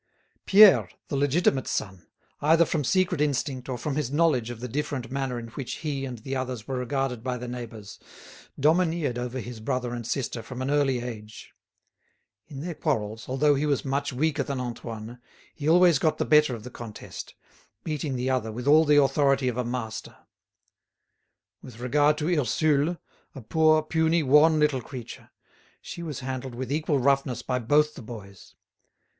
Pierre, the legitimate son, either from secret instinct or from his knowledge of the different manner in which he and the others were regarded by the neighbours, domineered over his brother and sister from an early age. In their quarrels, although he was much weaker than Antoine, he always got the better of the contest, beating the other with all the authority of a master. With regard to Ursule, a poor, puny, wan little creature, she was handled with equal roughness by both the boys.